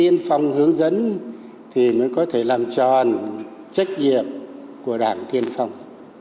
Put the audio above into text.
tiên phong hướng dẫn thì mới có thể làm tròn trách nhiệm của đảng tiên phong